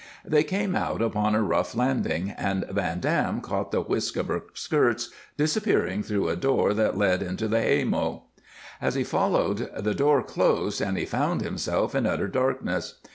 They came out upon a rough landing, and Van Dam caught the whisk of her skirts disappearing through a door that led into the haymow. As he followed, the door closed and he found himself in utter darkness.